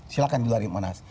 silahkan diluarin monas